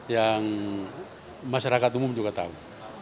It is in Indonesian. yang masyarakat umum juga tahu